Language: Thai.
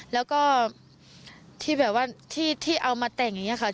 แล้วก็ที่เอามาแต่งอย่างนี้ค่ะ